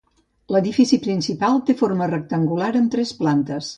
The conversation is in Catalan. L'edifici principal té forma rectangular amb tres plantes.